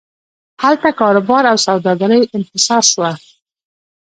هلته کاروبار او سوداګري انحصار شوه.